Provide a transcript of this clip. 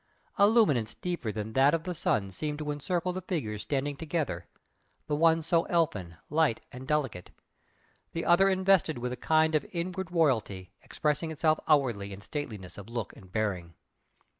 A luminance deeper than that of the sun seemed to encircle the figures standing together the one so elfin, light and delicate, the other invested with a kind of inward royalty expressing itself outwardly in stateliness of look and bearing.